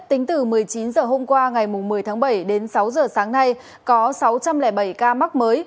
tính từ một mươi chín h hôm qua ngày một mươi tháng bảy đến sáu giờ sáng nay có sáu trăm linh bảy ca mắc mới